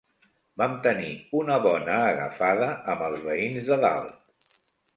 Vam tenir una bona agafada amb els veïns de dalt.